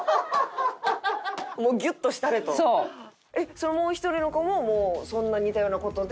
そのもう１人の子もそんな似たような事で。